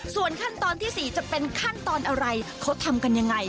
ส่วนขั้นตอนที่๔จะเป็นขั้นตอนอะไรเขาทำกันยังไง